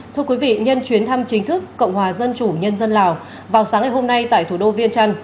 thưa quý vị nhân chuyến thăm chính thức cộng hòa dân chủ nhân dân lào vào sáng ngày hôm nay tại thủ đô viên trăn